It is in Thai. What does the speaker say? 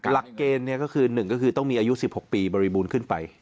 หลักเกณฑ์ก็คือ๑ก็คือต้องมีอายุ๑๖ปีบริบูรณ์ขึ้นไป